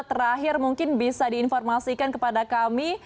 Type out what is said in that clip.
terakhir mungkin bisa diinformasikan kepada kami